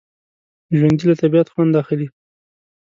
ژوندي له طبعیت خوند اخلي